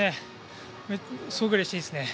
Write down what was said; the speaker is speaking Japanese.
すごくうれしいですね。